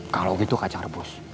kalau gitu kacang rebus